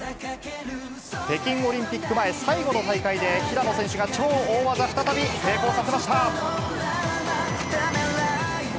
北京オリンピック前、最後の大会で、平野選手が超大技、再び成功させました。